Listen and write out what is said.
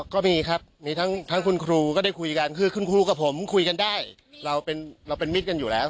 ก็มีครับมีทั้งคุณครูก็ได้คุยกันคือคุณครูกับผมคุยกันได้เราเป็นมิตรกันอยู่แล้ว